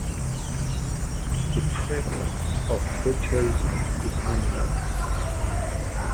The prevalence of frotteurism is unknown.